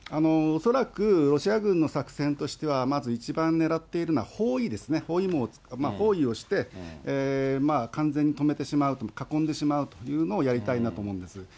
恐らくロシア軍の作戦としては、まず一番ねらっているのは包囲ですね、包囲網を、包囲をして、完全に止めてしまう、囲んでしまうというのをやりたいんだと思うんです。